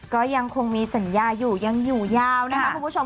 ก็ยังคงมีสัญญาอยู่ยังอยู่ยาวนะคะคุณผู้ชม